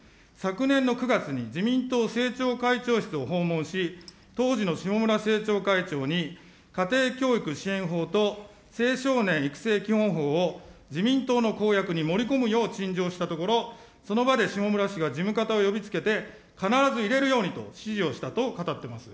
昨年の４月に自民党政調会長室を訪問し、当時の下村政調会長に家庭教育支援法と青少年育成基本法を、自民党の公約に盛り込むよう陳情したところ、その場で下村氏が事務方を呼びつけて、必ず入れるようにと指示をしたと語っています。